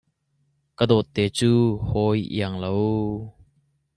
Ka dawtte cu hawi iang lo.